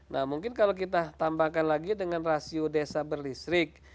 nah mungkin kalau kita tambahkan lagi dengan rasio desa berlistrik